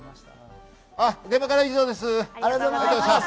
現場からは以上です。